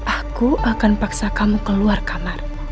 aku akan paksa kamu keluar kamar